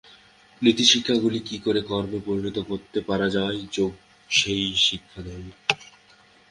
নীতিশিক্ষাগুলি কি করে কর্মে পরিণত করতে পারা যায়, যোগ সেই শিক্ষা দেয়।